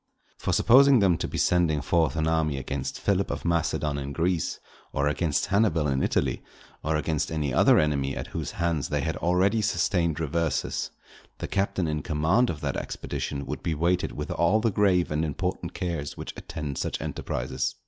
For supposing them to be sending forth an army against Philip of Macedon in Greece or against Hannibal in Italy, or against any other enemy at whose hands they had already sustained reverses, the captain in command of that expedition would be weighted with all the grave and important cares which attend such enterprises.